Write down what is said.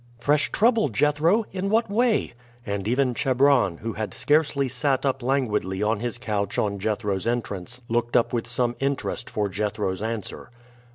"Fresh trouble, Jethro? In what way?" And even Chebron, who had scarcely sat up languidly on his couch on Jethro's entrance, looked up with some interest for Jethro's answer.